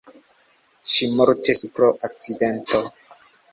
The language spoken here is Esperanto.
Ŝi mortis pro akcidento.